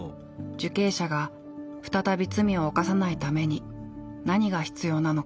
受刑者が再び罪を犯さないために何が必要なのか。